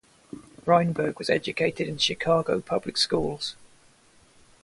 Reinberg was educated in Chicago Public Schools.